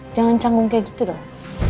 jangan canggung kayak gitu loh